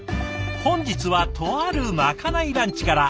本日はとあるまかないランチから。